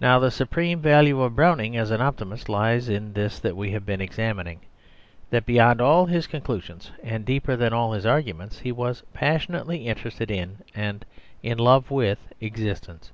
Now the supreme value of Browning as an optimist lies in this that we have been examining, that beyond all his conclusions, and deeper than all his arguments, he was passionately interested in and in love with existence.